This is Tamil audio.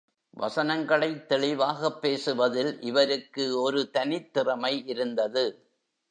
வசனங்களைத் தெளிவாகப் பேசுவதில் இவருக்கு ஒரு தனித் திறமை இருந்தது.